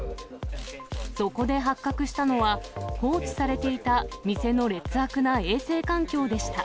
そこで発覚したのは、放置されていた、店の劣悪な衛生環境でした。